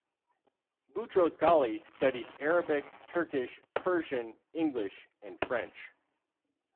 Boutros Ghali studied Arabic, Turkish, Persian, English and French.